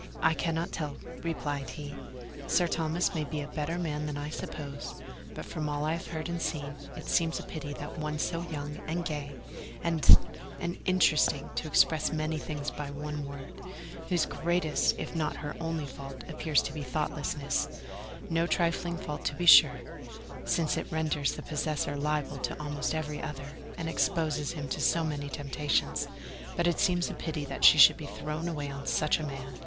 "I cannot tell," replied he. "Sir Thomas may be a better man than I suppose; but, from all I have heard and seen, it seems a pity that one so young and gay, and—and interesting, to express many things by one word—whose greatest, if not her only fault, appears to be thoughtlessness—no trifling fault to be sure, since it renders the possessor liable to almost every other, and exposes him to so many temptations—but it seems a pity that she should be thrown away on such a man.